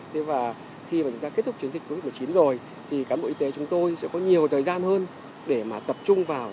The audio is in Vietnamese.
thế và khi mà chúng ta kết thúc chiến dịch covid một mươi chín rồi thì cán bộ y tế chúng tôi sẽ có nhiều thời gian hơn để mà tập trung vào